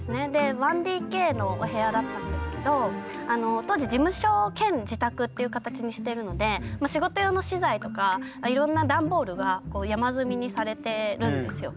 １ＤＫのお部屋だったんですけど当時事務所兼自宅っていう形にしてるので仕事用の資材とかいろんなダンボールが山積みにされてるんですよ。